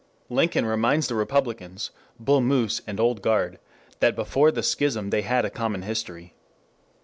Lincoln reminds the Republicans, Bull Moose and Old Guard, that before the schism they had a common history.